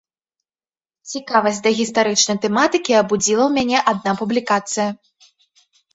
Цікавасць да гістарычнай тэматыкі абудзіла ў мяне адна публікацыя.